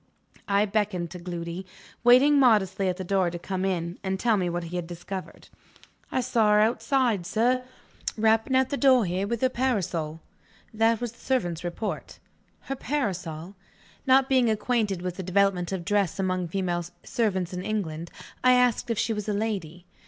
I beckoned to Gloody, waiting modestly at the door, to come in, and tell me what he had discovered. "I saw her outside, sir rapping at the door here, with her parasol." That was the servant's report. Her parasol? Not being acquainted with the development of dress among female servants in England, I asked if she was a lady.